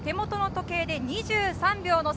手元の時計で２３秒の差